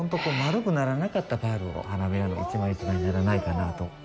丸くならなかったパールを花びらの１枚１枚にならないかなと。